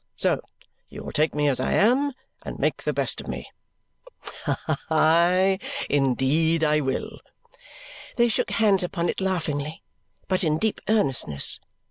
So you will take me as I am, and make the best of me?" "Aye! Indeed I will." They shook hands upon it laughingly, but in deep earnestness.